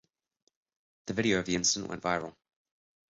The video of the incident went viral.